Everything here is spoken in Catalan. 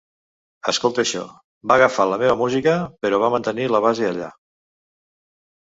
Escolta això, va agafar la meva música, però va mantenir la base allà.